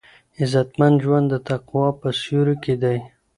عزتمن ژوند د تقوا په سیوري کې دی.